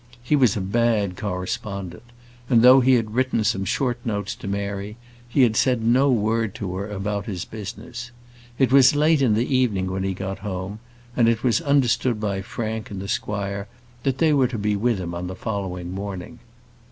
He was a bad correspondent; and though he had written some short notes to Mary, he had said no word to her about his business. It was late in the evening when he got home, and it was understood by Frank and the squire that they were to be with him on the following morning.